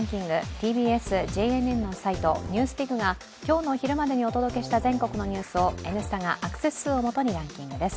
ＴＢＳ・ＪＮＮのサイトＮＥＷＳＤＩＧが今日の昼までにお届けした全国のニュースを「Ｎスタ」がアクセス数をもとにランキングです。